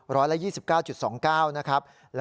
ร้อยละ๒๙๒๙นะครับ